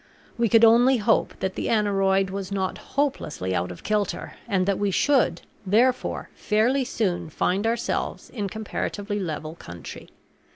We could only hope that the aneroid was not hopelessly out of kilter, and that we should, therefore, fairly soon find ourselves in comparatively level country.